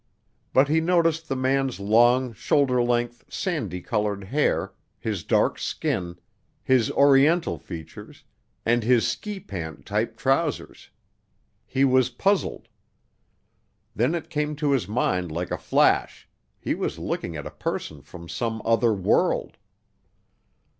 But he noticed the man's long, shoulder length, sandy colored hair, his dark skin, his Oriental features and his ski pant type trousers. He was puzzled. Then it came into his mind like a flash, he was looking at a person from some other world!